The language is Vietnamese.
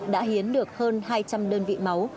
đã hiến được hơn hai trăm linh đơn vị máu